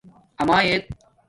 امݳ ائت